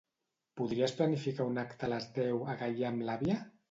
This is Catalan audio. Podries planificar un acte a les deu a Gaià amb l'àvia?